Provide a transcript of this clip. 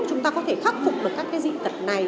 chúng ta có thể khắc phục được các cái dị tật này